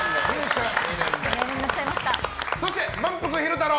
そしてまんぷく昼太郎！